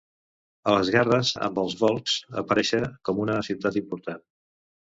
A les guerres amb els volscs aparèixer com una ciutat important.